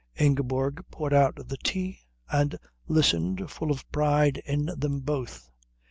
Ingeborg poured out the tea and listened full of pride in them both.